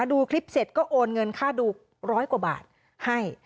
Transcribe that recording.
ดูคลิปเสร็จก็โอนเงินค่าดูร้อยกว่าบาทให้